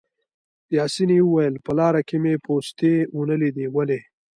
پاسیني وویل: په لاره کې مو پوستې ونه لیدې، ولې؟